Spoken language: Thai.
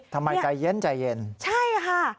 ทำไมใจเย็นใจเย็นใช่ค่ะ